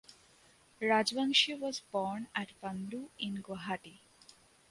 Rajbanshi was born at Pandu in Guwahati.